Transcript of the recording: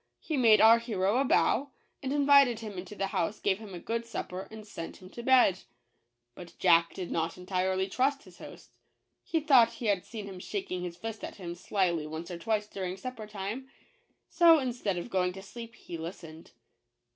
He made our hero a bow, and invited him into his house, gave him a good supper, and sent him to bed. But Jack did not entirely trust his host. He 172 JACK THE GIANT KILLER. thought he had seen him shaking his fist at him slilv once or twice during sup per time; so, instead of going to sleep he listened.